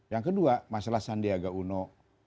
yang kedua masalah sandiaga uno